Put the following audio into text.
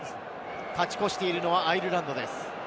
勝ち越しているのはアイルランドです。